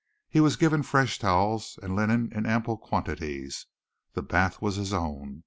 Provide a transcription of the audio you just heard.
He was given fresh towels and linen in ample quantities. The bath was his own.